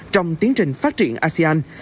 trong tiến trình phát triển asean